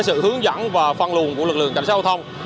sự hướng dẫn và phân luồn của lực lượng cảnh sát giao thông